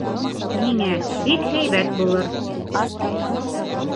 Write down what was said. — Ниңә, бик һәйбәт булыр.